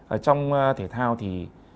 ở trong thể thao thì